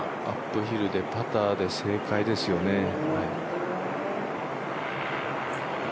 アップヒルでパターで正解ですよね。